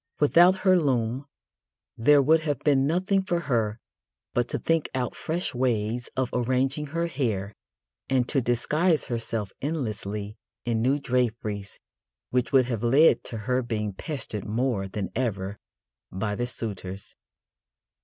Without her loom there would have been nothing for her but to think out fresh ways of arranging her hair and to disguise herself endlessly in new draperies which would have led to her being pestered more than ever by the suitors.